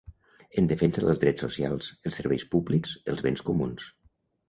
En defensa dels drets socials, els serveis públics, els béns comuns.